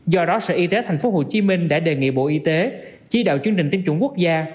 do đó sở y tế tp hcm đã đề nghị bộ y tế chỉ đạo chương trình tiêm chủng quốc gia